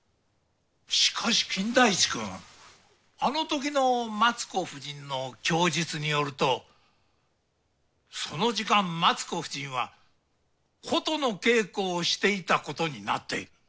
しかし金田一くんあのときの松子夫人の供述によるとその時間松子夫人は琴の稽古をしていたことになっている。